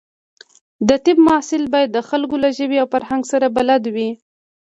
د طب محصلین باید د خلکو له ژبې او فرهنګ سره بلد وي.